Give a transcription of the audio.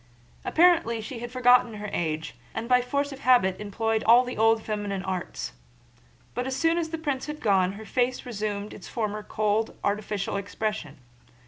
Apparently she had forgotten her age and by force of habit employed all the old feminine arts. But as soon as the prince had gone her face resumed its former cold, artificial expression.